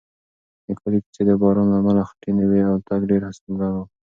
د کلي کوڅې د باران له امله خټینې وې او تګ ډېر ستونزمن و.